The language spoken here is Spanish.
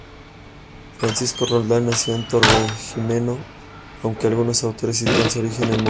Francisco Roldán nació en Torredonjimeno, aunque algunos autores sitúan su origen en Moguer.